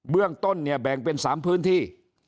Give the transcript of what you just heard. เรื่องต้นเนี่ยแบ่งเป็น๓พื้นที่